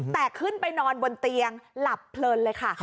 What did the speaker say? แต่ขึ้นไปนอนบนเตียงหลับเพลินเลยค่ะ